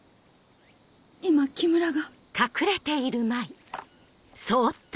今木村が。